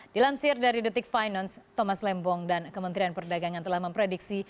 dilansir dari detik finance thomas lembong dan kementerian perdagangan telah memprediksi